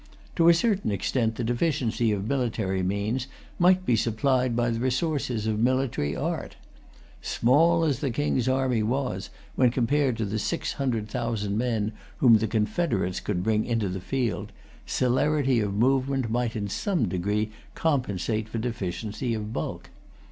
To a certain extent the deficiency of military means might be supplied by the resources of military art. Small as the King's army was, when compared with the six hundred thousand men whom the confederates could bring into the field, celerity of movement might in some degree[Pg 302] compensate for deficiency of bulk.